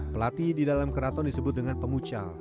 pelatih di dalam keraton disebut dengan pemucal